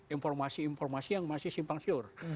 informasi informasi yang masih simpang siur